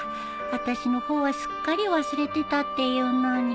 あたしの方はすっかり忘れてたっていうのに